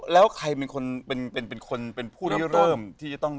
แล้วใครเป็นคนเป็นผู้เริ่มที่ต้องมี